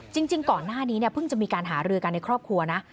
จริงก่อนหน้านี้เนี่ยเพิ่งจะมีการหารือกันในครอบครัวนะ